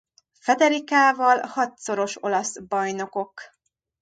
Federicával hatszoros olasz bajnokok.